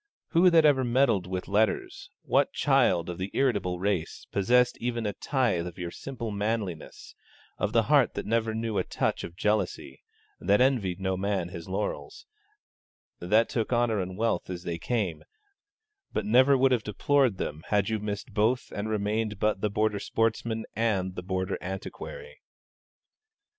Who that ever meddled with letters, what child of the irritable race, possessed even a tithe of your simple manliness, of the heart that never knew a touch of jealousy, that envied no man his laurels, that took honour and wealth as they came, but never would have deplored them had you missed both and remained but the Border sportsman and the Border antiquary?